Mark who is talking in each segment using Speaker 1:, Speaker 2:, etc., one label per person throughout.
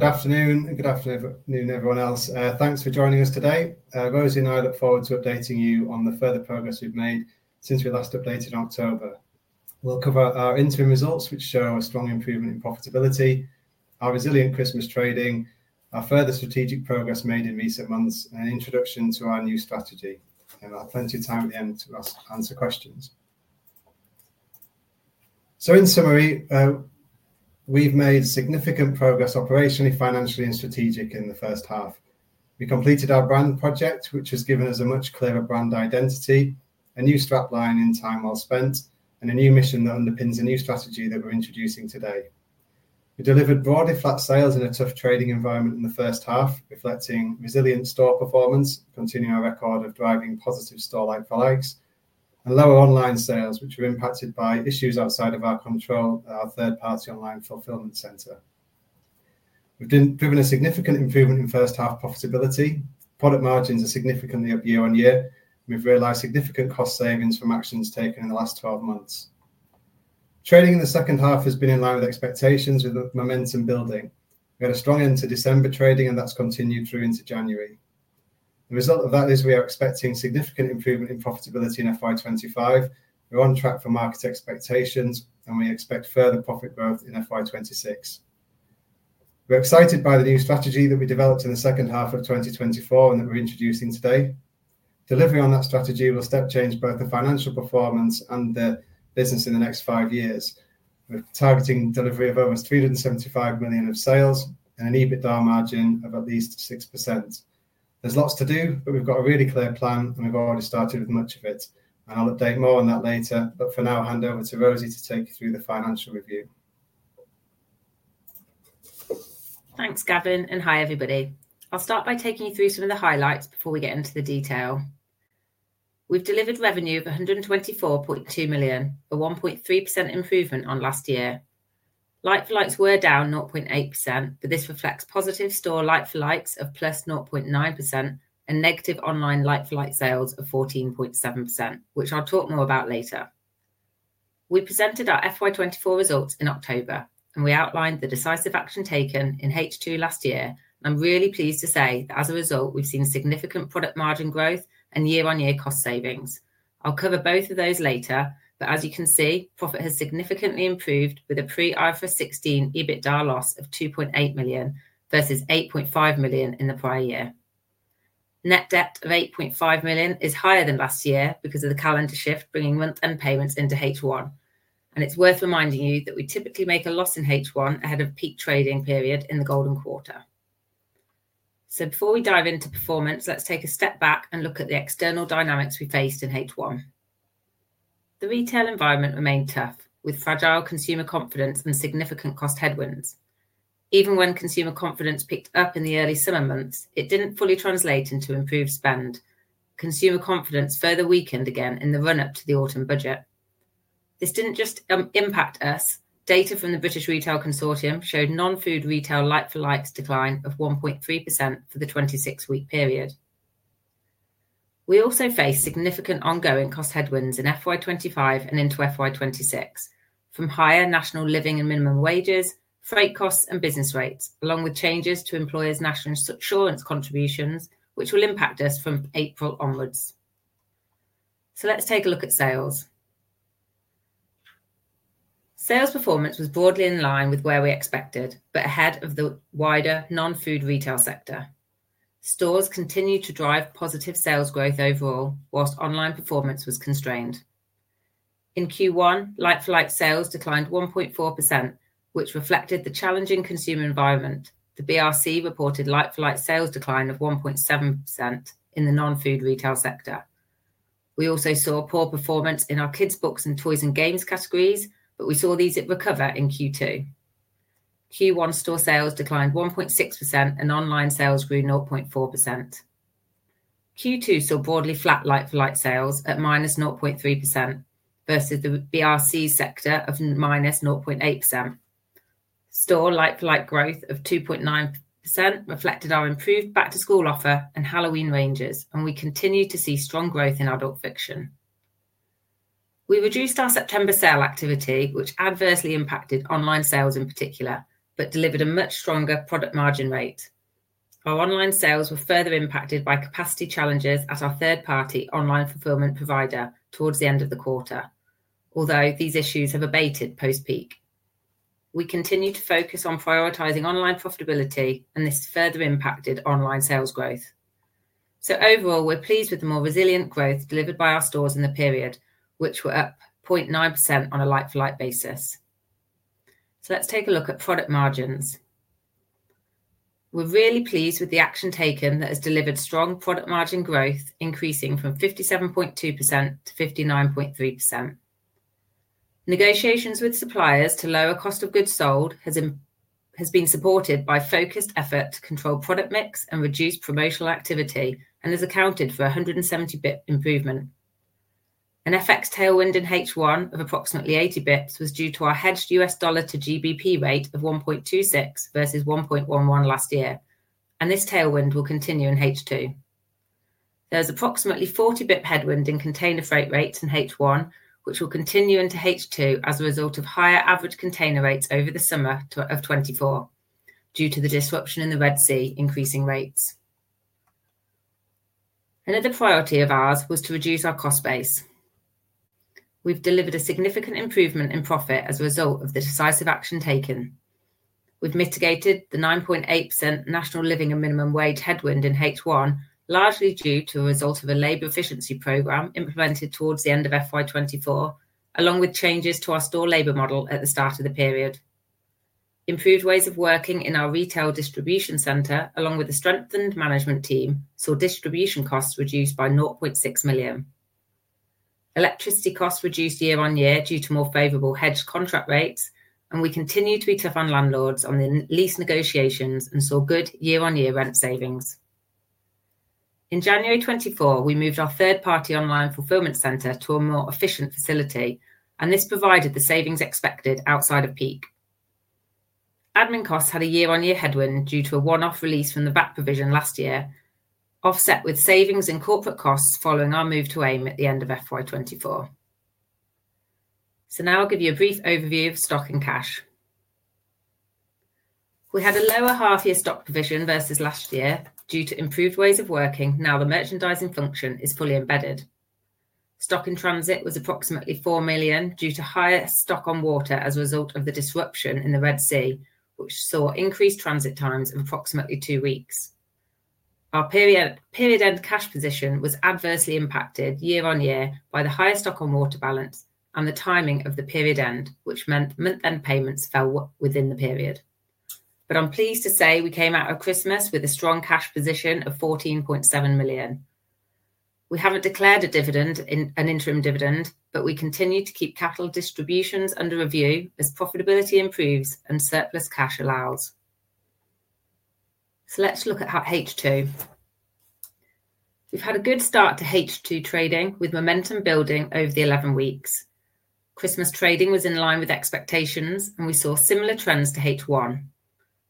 Speaker 1: Good afternoon, good afternoon, everyone else. Thanks for joining us today. Rosie and I look forward to updating you on the further progress we've made since we last updated in October. We'll cover our interim results, which show a strong improvement in profitability, our resilient Christmas trading, our further strategic progress made in recent months, and an introduction to our new strategy, and we'll have plenty of time at the end to answer questions, so in summary, we've made significant progress operationally, financially, and strategically in the first half. We completed our brand project, which has given us a much clearer brand identity, a new strapline, Time Well Spent, and a new mission that underpins a new strategy that we're introducing today. We delivered broadly flat sales in a tough trading environment in the first half, reflecting resilient store performance, continuing our record of driving positive store LFLs, and lower online sales, which were impacted by issues outside of our control, our third-party online fulfillment center. We've driven a significant improvement in first-half profitability. Product margins are significantly up year on year, and we've realized significant cost savings from actions taken in the last 12 months. Trading in the second half has been in line with expectations, with momentum building. We had a strong end to December trading, and that's continued through into January. The result of that is we are expecting significant improvement in profitability in FY 2025. We're on track for market expectations, and we expect further profit growth in FY 2026. We're excited by the new strategy that we developed in the second half of 2024 and that we're introducing today. Delivery on that strategy will step change both the financial performance and the business in the next five years. We're targeting delivery of over 375 million of sales and an EBITDA margin of at least 6%. There's lots to do, but we've got a really clear plan, and we've already started with much of it, and I'll update more on that later, but for now, hand over to Rosie to take you through the financial review.
Speaker 2: Thanks, Gavin, and hi, everybody. I'll start by taking you through some of the highlights before we get into the detail. We've delivered revenue of 124.2 million, a 1.3% improvement on last year. Like-for-like were down 0.8%, but this reflects positive store like-for-like of plus 0.9% and negative online like-for-like sales of 14.7%, which I'll talk more about later. We presented our FY 2024 results in October, and we outlined the decisive action taken in H2 last year. I'm really pleased to say that as a result, we've seen significant product margin growth and year-on-year cost savings. I'll cover both of those later, but as you can see, profit has significantly improved with a pre-IFRS 16 EBITDA loss of 2.8 million versus 8.5 million in the prior year. Net debt of 8.5 million is higher than last year because of the calendar shift bringing month-end payments into H1. And it's worth reminding you that we typically make a loss in H1 ahead of peak trading period in the Golden Quarter. So before we dive into performance, let's take a step back and look at the external dynamics we faced in H1. The retail environment remained tough, with fragile consumer confidence and significant cost headwinds. Even when consumer confidence picked up in the early summer months, it didn't fully translate into improved spend. Consumer confidence further weakened again in the run-up to the autumn budget. This didn't just impact us. Data from the British Retail Consortium showed non-food retail like-for-like decline of 1.3% for the 26-week period. We also faced significant ongoing cost headwinds in FY 2025 and into FY 2026, from higher National Living and Minimum Wages, Freight Costs, and Business Rates, along with changes to employers' National Insurance contributions, which will impact us from April onwards, so let's take a look at sales. Sales performance was broadly in line with where we expected, but ahead of the wider non-food retail sector. Stores continued to drive positive sales growth overall, whilst online performance was constrained. In Q1, like-for-like sales declined 1.4%, which reflected the challenging consumer environment. The BRC reported like-for-like sales decline of 1.7% in the non-food retail sector. We also saw poor performance in our kids' books and toys and games categories, but we saw these recover in Q2. Q1 store sales declined 1.6%, and online sales grew 0.4%. Q2 saw broadly flat like-for-like sales at -0.3% versus the BRC sector of -0.8%. Store like-for-like growth of 2.9% reflected our improved back-to-school offer and Halloween ranges, and we continue to see strong growth in adult fiction. We reduced our September sale activity, which adversely impacted online sales in particular, but delivered a much stronger product margin rate. Our online sales were further impacted by capacity challenges at our third-party online fulfillment provider towards the end of the quarter, although these issues have abated post-peak. We continue to focus on prioritizing online profitability, and this further impacted online sales growth. So overall, we're pleased with the more resilient growth delivered by our stores in the period, which were up 0.9% on a like-for-like basis. So let's take a look at product margins. We're really pleased with the action taken that has delivered strong product margin growth, increasing from 57.2% to 59.3%. Negotiations with suppliers to lower cost of goods sold has been supported by focused effort to control product mix and reduce promotional activity, and has accounted for a 170-bit improvement. An FX tailwind in H1 of approximately 80 bits was due to our hedged US dollar to GBP rate of 1.26 versus 1.11 last year, and this tailwind will continue in H2. There is approximately 40-bit headwind in container freight rates in H1, which will continue into H2 as a result of higher average container rates over the summer of 2024 due to the disruption in the Red Sea increasing rates. Another priority of ours was to reduce our cost base. We've delivered a significant improvement in profit as a result of the decisive action taken. We've mitigated the 9.8% National Living and Minimum Wage headwind in H1, largely due to a result of a labor efficiency program implemented towards the end of FY 2024, along with changes to our store labor model at the start of the period. Improved ways of working in our retail distribution center, along with a strengthened management team, saw distribution costs reduced by 0.6 million. Electricity costs reduced year-on-year due to more favorable hedged contract rates, and we continue to be tough on landlords on the lease negotiations and saw good year-on-year rent savings. In January 2024, we moved our third-party online fulfillment center to a more efficient facility, and this provided the savings expected outside of peak. Admin costs had a year-on-year headwind due to a one-off release from the VAT provision last year, offset with savings in corporate costs following our move to AIM at the end of FY 2024. So now I'll give you a brief overview of stock and cash. We had a lower half-year stock provision versus last year due to improved ways of working now the merchandising function is fully embedded. Stock in transit was approximately 4 million due to higher stock on water as a result of the disruption in the Red Sea, which saw increased transit times of approximately two weeks. Our period-end cash position was adversely impacted year-on-year by the higher stock on water balance and the timing of the period-end, which meant month-end payments fell within the period. But I'm pleased to say we came out of Christmas with a strong cash position of 14.7 million. We haven't declared a dividend, an interim dividend, but we continue to keep capital distributions under review as profitability improves and surplus cash allows. So let's look at H2. We've had a good start to H2 trading with momentum building over the 11 weeks. Christmas trading was in line with expectations, and we saw similar trends to H1.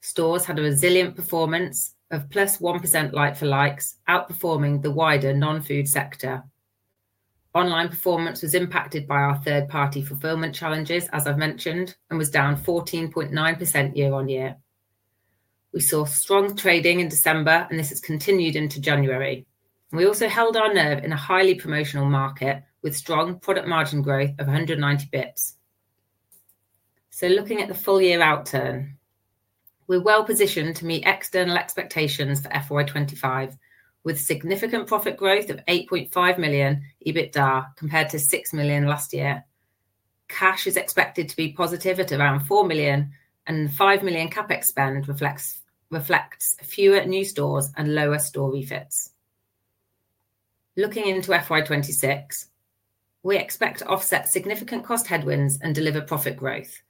Speaker 2: Stores had a resilient performance of plus 1% LFL, outperforming the wider non-food sector. Online performance was impacted by our third-party fulfillment challenges, as I've mentioned, and was down 14.9% year-on-year. We saw strong trading in December, and this has continued into January. We also held our nerve in a highly promotional market with strong product margin growth of 190 bits. So looking at the full-year outturn, we're well positioned to meet external expectations for FY 2025 with significant profit growth of 8.5 million EBITDA compared to 6 million last year. Cash is expected to be positive at around 4 million, and 5 million CapEx spend reflects fewer new stores and lower store refits. Looking into FY 2026, we expect to offset significant cost headwinds and deliver profit growth.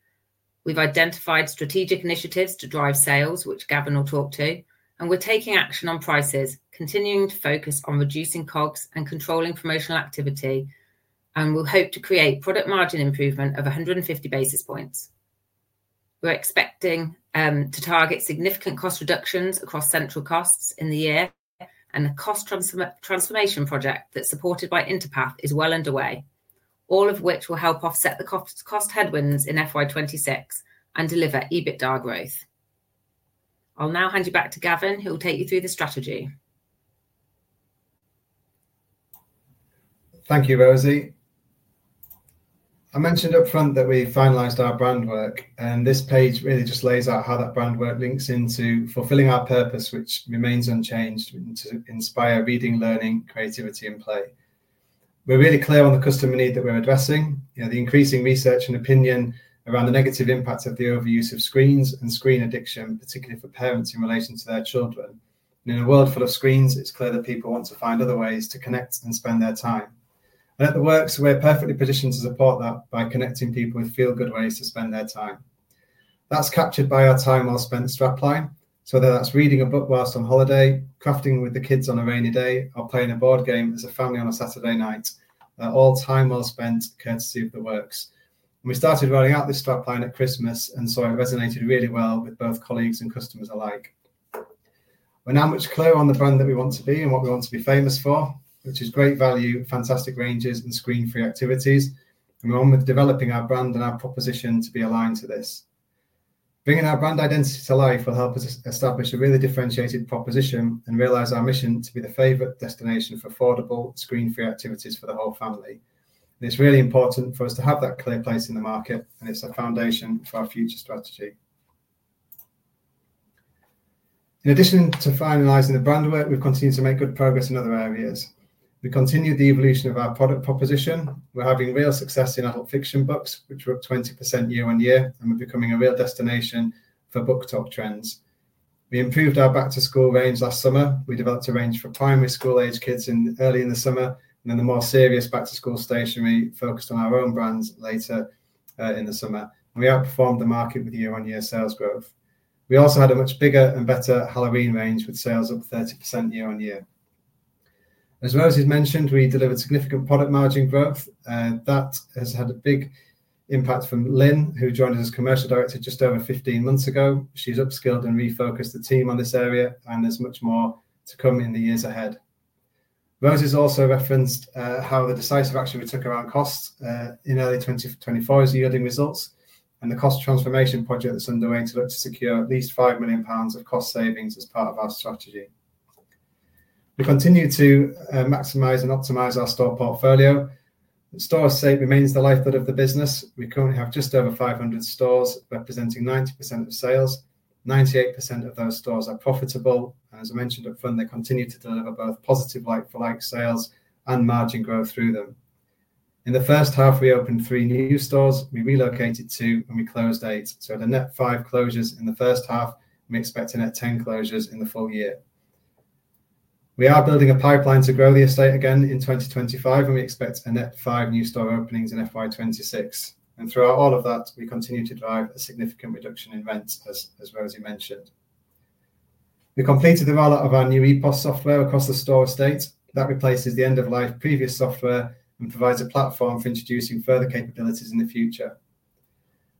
Speaker 2: We've identified strategic initiatives to drive sales, which Gavin will talk to, and we're taking action on prices, continuing to focus on reducing COGS and controlling promotional activity, and we'll hope to create product margin improvement of 150 basis points. We're expecting to target significant cost reductions across central costs in the year, and the cost transformation project that's supported by Interpath is well underway, all of which will help offset the cost headwinds in FY 2026 and deliver EBITDA growth. I'll now hand you back to Gavin, who will take you through the strategy.
Speaker 1: Thank you, Rosie. I mentioned upfront that we finalized our brand work, and this page really just lays out how that brand work links into fulfilling our purpose, which remains unchanged to inspire reading, learning, creativity, and play. We're really clear on the customer need that we're addressing the increasing research and opinion around the negative impact of the overuse of screens and screen addiction, particularly for parents in relation to their children. In a world full of screens, it's clear that people want to find other ways to connect and spend their time. At The Works, we're perfectly positioned to support that by connecting people with feel-good ways to spend their time. That's captured by our Time Well Spent strapline, so whether that's reading a book while on holiday, crafting with the kids on a rainy day, or playing a board game as a family on a Saturday night, all Time Well Spent courtesy of The Works. We started rolling out this strapline at Christmas and saw it resonated really well with both colleagues and customers alike. We're now much clearer on the brand that we want to be and what we want to be famous for, which is great value, fantastic ranges, and screen-free activities. We're on with developing our brand and our proposition to be aligned to this. Bringing our brand identity to life will help us establish a really differentiated proposition and realize our mission to be the favorite destination for affordable screen-free activities for the whole family. It's really important for us to have that clear place in the market, and it's a foundation for our future strategy. In addition to finalizing the brand work, we've continued to make good progress in other areas. We continued the evolution of our product proposition. We're having real success in adult fiction books, which were up 20% year-on-year, and we're becoming a real destination for BookTok trends. We improved our back-to-school range last summer. We developed a range for primary school-aged kids early in the summer, and then the more serious back-to-school stationery focused on our own brands later in the summer. We outperformed the market with year-on-year sales growth. We also had a much bigger and better Halloween range with sales up 30% year-on-year. As Rosie's mentioned, we delivered significant product margin growth. That has had a big impact from Lynne, who joined us as Commercial Director just over 15 months ago. She's upskilled and refocused the team on this area, and there's much more to come in the years ahead. Rosie's also referenced how the decisive action we took around costs in early 2024 is yielding results, and the cost transformation project that's underway to look to secure at least 5 million pounds of cost savings as part of our strategy. We continue to maximize and optimize our store portfolio. The store estate remains the lifeblood of the business. We currently have just over 500 stores representing 90% of sales. 98% of those stores are profitable, and as I mentioned upfront, they continue to deliver both positive like-for-like sales and margin growth through them. In the first half, we opened three new stores. We relocated two, and we closed eight. So at a net five closures in the first half, we're expecting net 10 closures in the full year. We are building a pipeline to grow the estate again in 2025, and we expect a net five new store openings in FY 2026. And throughout all of that, we continue to drive a significant reduction in rents, as Rosie mentioned. We completed the rollout of our new EPOS software across the store estate. That replaces the end-of-life previous software and provides a platform for introducing further capabilities in the future.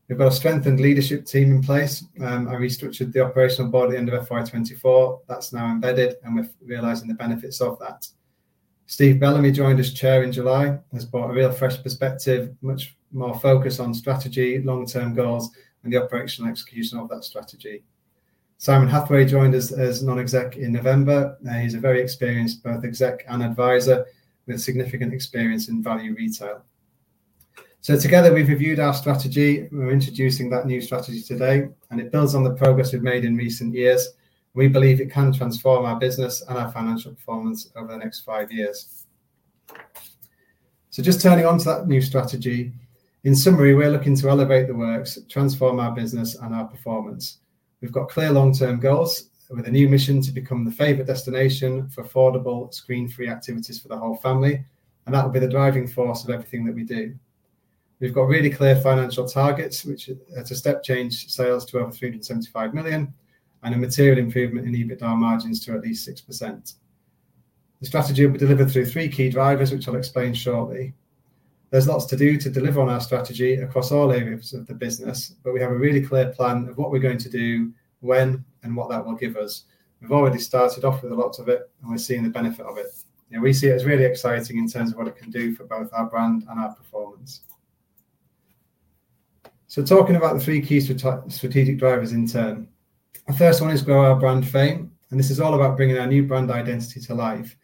Speaker 1: We've got a strengthened leadership team in place. I restructured the operational board at the end of FY 2024. That's now embedded, and we're realizing the benefits of that. Steve Bellamy joined as Chair in July and has brought a real fresh perspective, much more focus on strategy, long-term goals, and the operational execution of that strategy. Simon Hathaway joined us as non-exec in November. He's a very experienced both exec and advisor with significant experience in value retail. So together, we've reviewed our strategy. We're introducing that new strategy today, and it builds on the progress we've made in recent years. We believe it can transform our business and our financial performance over the next five years. So just turning to that new strategy, in summary, we're looking to elevate The Works, transform our business, and our performance. We've got clear long-term goals with a new mission to become the favorite destination for affordable screen-free activities for the whole family, and that will be the driving force of everything that we do. We've got really clear financial targets, which are to step change sales to over 375 million and a material improvement in EBITDA margins to at least 6%. The strategy will be delivered through three key drivers, which I'll explain shortly. There's lots to do to deliver on our strategy across all areas of the business, but we have a really clear plan of what we're going to do, when, and what that will give us. We've already started off with a lot of it, and we're seeing the benefit of it. We see it as really exciting in terms of what it can do for both our brand and our performance. So talking about the three key strategic drivers in turn, the first one is grow our brand fame, and this is all about bringing our new brand identity to life.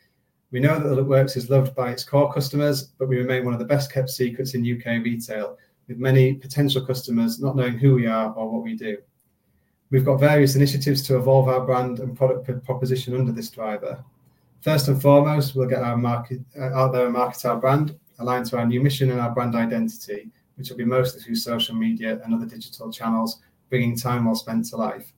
Speaker 1: We know that The Works is loved by its core customers, but we remain one of the best-kept secrets in U.K. retail, with many potential customers not knowing who we are or what we do. We've got various initiatives to evolve our brand and product proposition under this driver. First and foremost, we'll get our market out there and market our brand, aligned to our new mission and our brand identity, which will be mostly through social media and other digital channels, bringing Time Well Spent to life.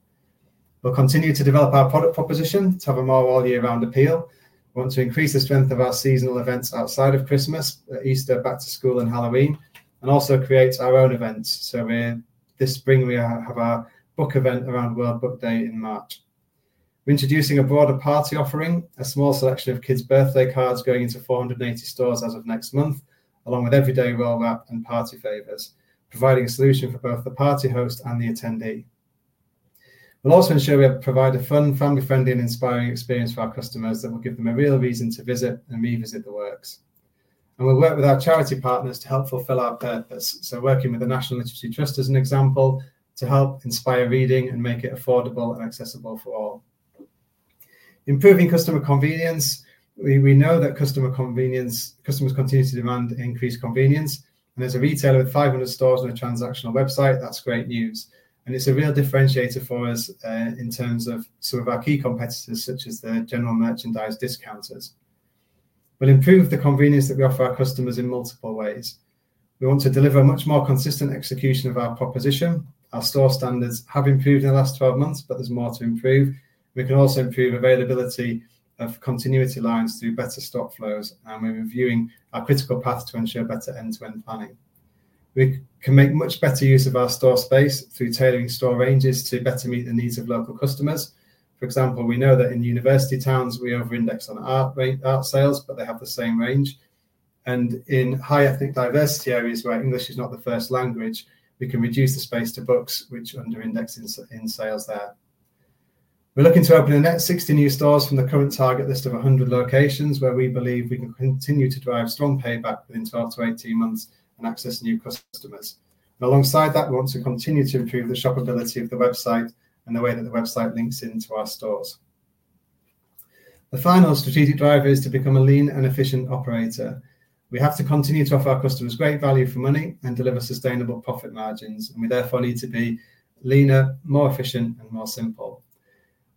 Speaker 1: We'll continue to develop our product proposition to have a more all-year-round appeal. We want to increase the strength of our seasonal events outside of Christmas, Easter, back-to-school, and Halloween, and also create our own events. So this spring, we have our book event around World Book Day in March. We're introducing a broader party offering, a small selection of kids' birthday cards going into 480 stores as of next month, along with everyday roll-wrap and party favors, providing a solution for both the party host and the attendee. We'll also ensure we provide a fun, family-friendly, and inspiring experience for our customers that will give them a real reason to visit and revisit The Works, and we'll work with our charity partners to help fulfill our purpose, so working with the National Literacy Trust as an example to help inspire reading and make it affordable and accessible for all. Improving customer convenience. We know that customers continue to demand increased convenience, and as a retailer with 500 stores and a transactional website, that's great news, and it's a real differentiator for us in terms of some of our key competitors, such as the general merchandise discounters. We'll improve the convenience that we offer our customers in multiple ways. We want to deliver a much more consistent execution of our proposition. Our store standards have improved in the last 12 months, but there's more to improve. We can also improve availability of continuity lines through better stock flows, and we're reviewing our critical path to ensure better end-to-end planning. We can make much better use of our store space through tailoring store ranges to better meet the needs of local customers. For example, we know that in university towns, we over-index on art sales, but they have the same range. And in high ethnic diversity areas where English is not the first language, we can reduce the space to books, which under-index in sales there. We're looking to open a net 60 new stores from the current target list of 100 locations, where we believe we can continue to drive strong payback within 12-18 months and access new customers. Alongside that, we want to continue to improve the shoppability of the website and the way that the website links into our stores. The final strategic driver is to become a lean and efficient operator. We have to continue to offer our customers great value for money and deliver sustainable profit margins, and we therefore need to be leaner, more efficient, and more simple.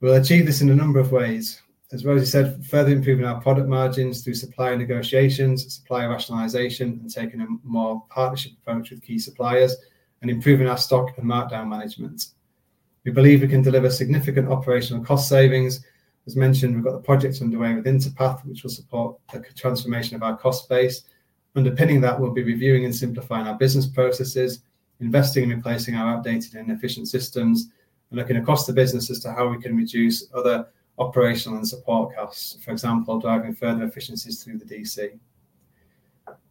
Speaker 1: We'll achieve this in a number of ways. As Rosie said, further improving our product margins through supplier negotiations, supplier rationalization, and taking a more partnership approach with key suppliers, and improving our stock and markdown management. We believe we can deliver significant operational cost savings. As mentioned, we've got the projects underway with Interpath, which will support the transformation of our cost base. Underpinning that, we'll be reviewing and simplifying our business processes, investing and replacing our outdated and inefficient systems, and looking across the business as to how we can reduce other operational and support costs, for example, driving further efficiencies through the DC.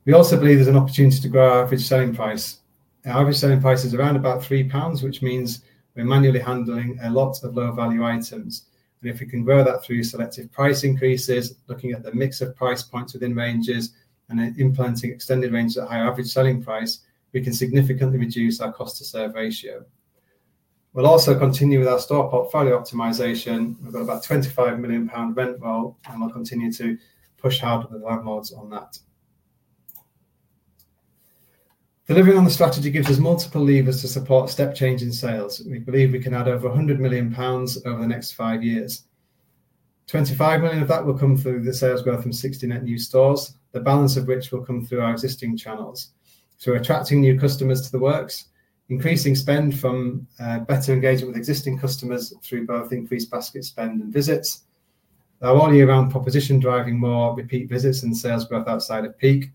Speaker 1: We also believe there's an opportunity to grow our average selling price. Our average selling price is around about GBP three, which means we're manually handling a lot of low-value items. And if we can grow that through selective price increases, looking at the mix of price points within ranges and implementing extended range at a higher average selling price, we can significantly reduce our cost-to-serve ratio. We'll also continue with our store portfolio optimization. We've got about 25 million pound rent roll, and we'll continue to push hard with the landlords on that. Delivering on the strategy gives us multiple levers to support step change in sales. We believe we can add over 100 million pounds over the next five years. 25 million of that will come through the sales growth from 60 net new stores, the balance of which will come through our existing channels. So we're attracting new customers to The Works, increasing spend from better engagement with existing customers through both increased basket spend and visits. Our all-year-round proposition driving more repeat visits and sales growth outside of peak,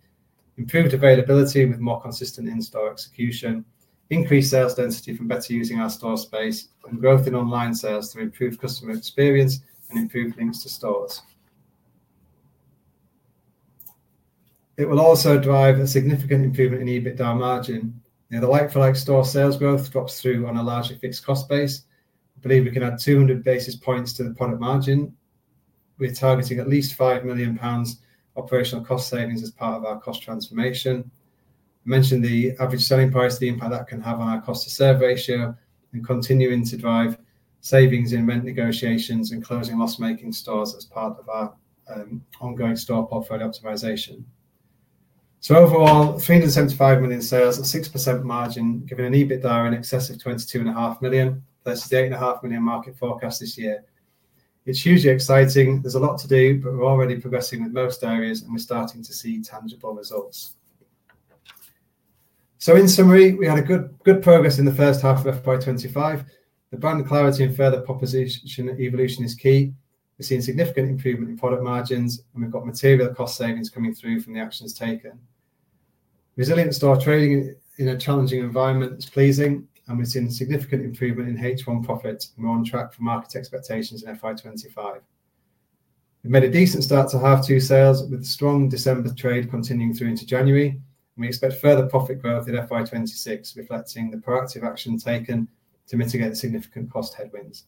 Speaker 1: improved availability with more consistent in-store execution, increased sales density from better using our store space, and growth in online sales to improve customer experience and improve links to stores. It will also drive a significant improvement in EBITDA margin. The like-for-like store sales growth drops through on a larger fixed cost base. We believe we can add 200 basis points to the product margin. We're targeting at least 5 million pounds operational cost savings as part of our cost transformation. I mentioned the average selling price, the impact that can have on our cost-to-serve ratio, and continuing to drive savings in rent negotiations and closing loss-making stores as part of our ongoing store portfolio optimization, so overall, £375 million sales, a 6% margin, giving an EBITDA in excess of £22.5 million, versus the £8.5 million market forecast this year. It's hugely exciting. There's a lot to do, but we're already progressing with most areas, and we're starting to see tangible results, so in summary, we had good progress in the first half of FY 2025. The brand clarity and further proposition evolution is key. We've seen significant improvement in product margins, and we've got material cost savings coming through from the actions taken. Resilient store trading in a challenging environment is pleasing, and we've seen significant improvement in H1 profits, and we're on track for market expectations in FY 2025. We've made a decent start to half two sales, with strong December trade continuing through into January. We expect further profit growth in FY 2026, reflecting the proactive action taken to mitigate significant cost headwinds.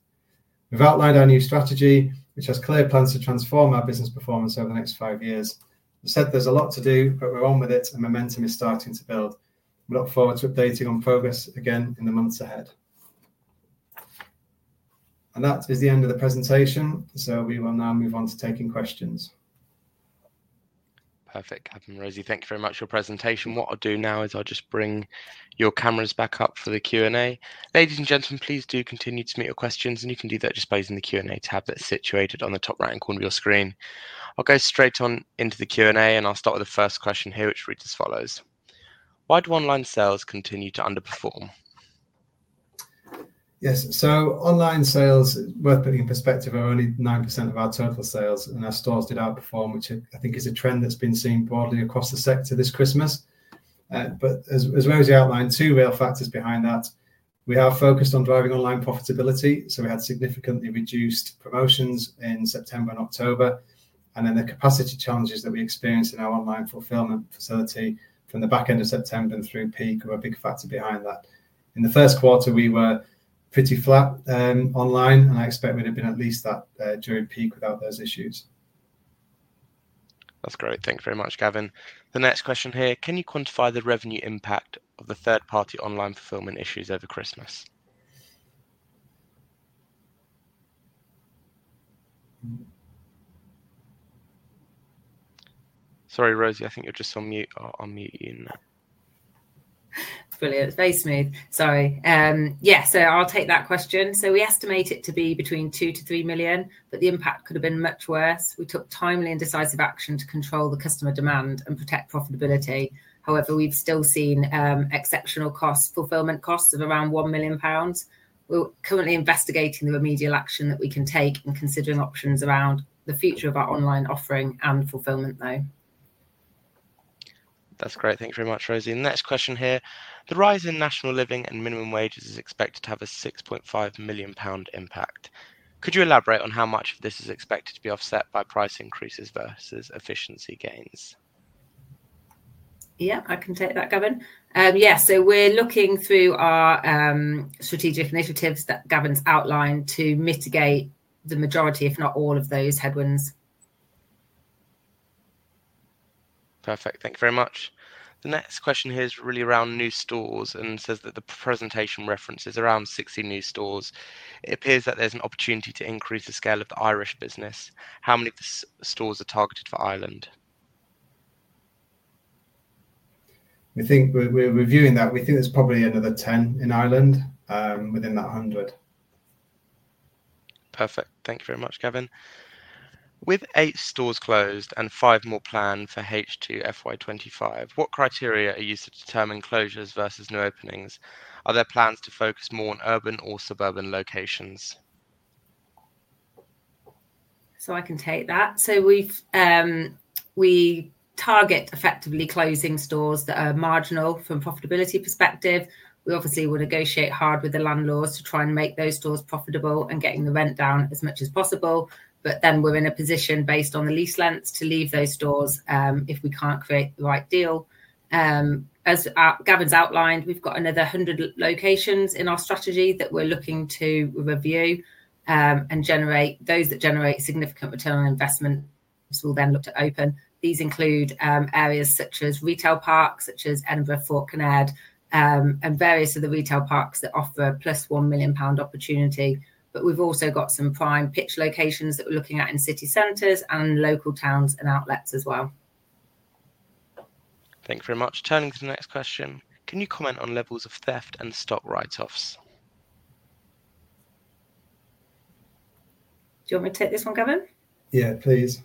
Speaker 1: We've outlined our new strategy, which has clear plans to transform our business performance over the next five years. We've said there's a lot to do, but we're on with it, and momentum is starting to build. We look forward to updating on progress again in the months ahead. And that is the end of the presentation, so we will now move on to taking questions.
Speaker 3: Perfect. Gavin, Rosie, thank you very much for your presentation. What I'll do now is I'll just bring your cameras back up for the Q&A. Ladies and gentlemen, please do continue to submit your questions, and you can do that just by using the Q&A tab that's situated on the top right-hand corner of your screen. I'll go straight on into the Q&A, and I'll start with the first question here, which reads as follows: Why do online sales continue to underperform?
Speaker 1: Yes. So online sales, worth putting in perspective, are only 9% of our total sales, and our stores did outperform, which I think is a trend that's been seen broadly across the sector this Christmas. But as Rosie outlined, two real factors behind that. We are focused on driving online profitability, so we had significantly reduced promotions in September and October. And then the capacity challenges that we experienced in our online fulfillment facility from the back end of September and through peak were a big factor behind that. In the first quarter, we were pretty flat online, and I expect we'd have been at least that during peak without those issues.
Speaker 3: That's great. Thank you very much, Gavin. The next question here: Can you quantify the revenue impact of the third-party online fulfillment issues over Christmas? Sorry, Rosie, I think you're just on mute or on mute in.
Speaker 2: Brilliant. It's very smooth. Sorry. Yeah, so I'll take that question. So we estimate it to be between 2 to 3 million, but the impact could have been much worse. We took timely and decisive action to control the customer demand and protect profitability. However, we've still seen exceptional costs, fulfillment costs of around 1 million pounds. We're currently investigating the remedial action that we can take and considering options around the future of our online offering and fulfillment, though.
Speaker 3: That's great. Thank you very much, Rosie. Next question here: The rise in National Living and Minimum Wages is expected to have a 6.5 million pound impact. Could you elaborate on how much of this is expected to be offset by price increases versus efficiency gains?
Speaker 2: Yeah, I can take that, Gavin. Yeah, so we're looking through our strategic initiatives that Gavin's outlined to mitigate the majority, if not all, of those headwinds.
Speaker 3: Perfect. Thank you very much. The next question here is really around new stores and says that the presentation references around 60 new stores. It appears that there's an opportunity to increase the scale of the Irish business. How many stores are targeted for Ireland?
Speaker 1: I think we're reviewing that. We think there's probably another 10 in Ireland within that 100.
Speaker 3: Perfect. Thank you very much, Gavin. With eight stores closed and five more planned for H2 FY 2025, what criteria are used to determine closures versus new openings? Are there plans to focus more on urban or suburban locations?
Speaker 2: So I can take that. So we target effectively closing stores that are marginal from a profitability perspective. We obviously will negotiate hard with the landlords to try and make those stores profitable and getting the rent down as much as possible. But then we're in a position, based on the lease lengths, to leave those stores if we can't create the right deal. As Gavin's outlined, we've got another 100 locations in our strategy that we're looking to review and generate. Those that generate significant return on investment, we'll then look to open. These include areas such as retail parks, such as Edinburgh Fort Kinnaird, and various other retail parks that offer a £1 million opportunity. But we've also got some prime pitch locations that we're looking at in city centers and local towns and outlets as well.
Speaker 3: Thank you very much. Turning to the next question, can you comment on levels of theft and stock write-offs?
Speaker 2: Do you want me to take this one, Gavin?
Speaker 1: Yeah, please.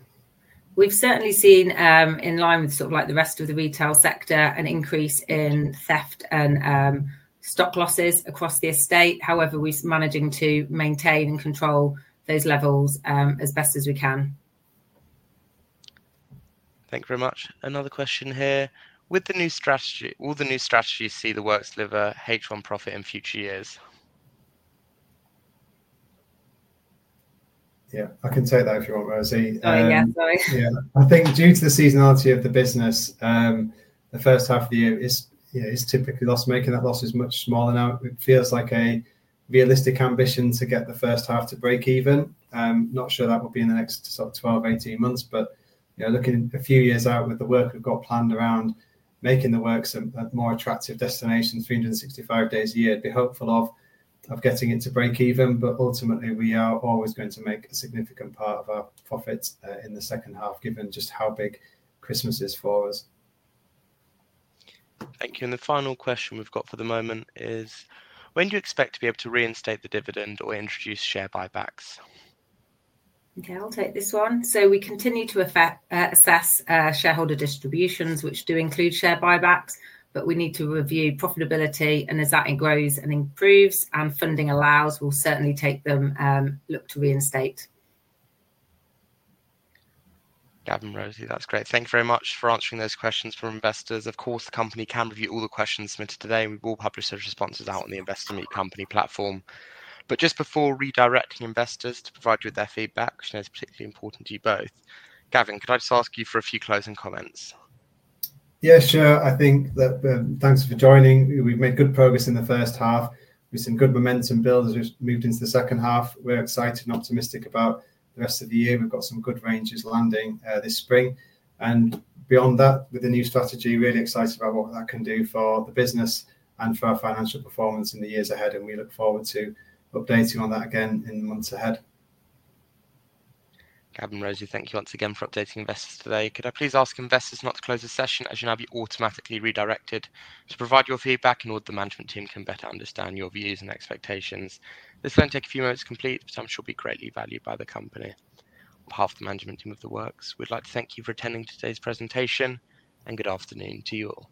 Speaker 2: We've certainly seen, in line with sort of like the rest of the retail sector, an increase in theft and stock losses across the estate. However, we're managing to maintain and control those levels as best as we can.
Speaker 3: Thank you very much. Another question here. With the new strategy, will the new strategy see The Works deliver H1 profit in future years?
Speaker 1: Yeah, I can take that if you want, Rosie.
Speaker 2: Oh, yeah, sorry.
Speaker 1: Yeah, I think due to the seasonality of the business, the first half of the year is typically loss-making. That loss is much smaller. Now, it feels like a realistic ambition to get the first half to break even. Not sure that will be in the next sort of 12-18 months, but looking a few years out with the work we've got planned around making The Works a more attractive destination 365 days a year, be hopeful of getting it to break even. But ultimately, we are always going to make a significant part of our profits in the second half, given just how big Christmas is for us.
Speaker 3: Thank you. And the final question we've got for the moment is: When do you expect to be able to reinstate the dividend or introduce share buybacks?
Speaker 2: Okay, I'll take this one. So, we continue to assess shareholder distributions, which do include share buybacks, but we need to review profitability, and as that grows and improves and funding allows, we'll certainly take them look to reinstate.
Speaker 3: Gavin, Rosie, that's great. Thank you very much for answering those questions from investors. Of course, the company can review all the questions submitted today, and we will publish those responses out on the Investor Meet Company platform. But just before redirecting investors to provide you with their feedback, which I know is particularly important to you both, Gavin, could I just ask you for a few closing comments?
Speaker 1: Yeah, sure. I think. Thanks for joining. We've made good progress in the first half. We've seen good momentum build as we've moved into the second half. We're excited and optimistic about the rest of the year. We've got some good ranges landing this spring. Beyond that, with the new strategy, really excited about what that can do for the business and for our financial performance in the years ahead. We look forward to updating on that again in the months ahead.
Speaker 3: Gavin, Rosie, thank you once again for updating investors today. Could I please ask investors not to close the session as you'll now be automatically redirected to provide your feedback in order that the management team can better understand your views and expectations? This will only take a few moments to complete, but I'm sure it'll be greatly valued by the company. On behalf of the management team of The Works, we'd like to thank you for attending today's presentation, and good afternoon to you all.